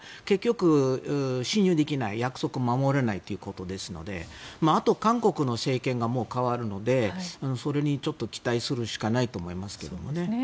結局信用できない約束を守れないということなのであとは韓国の政権がもう変わるのでそれに期待するしかないと思いますけどね。